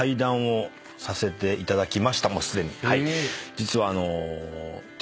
実は。